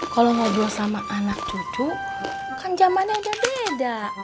kalau ngobrol sama anak cucu kan zamannya udah beda